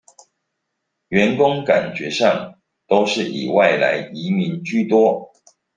員工感覺上都是以外來移民居多